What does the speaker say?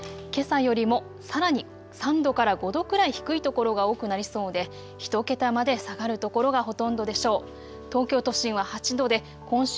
けさよりもさらに３度から５度くらい低い所が多くなりそうで１桁まで下がる所がほとんどでしょう。